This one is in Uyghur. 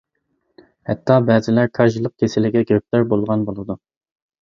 ھەتتا بەزىلەر كاجلىق كېسىلىگە گىرىپتار بولغان بولىدۇ.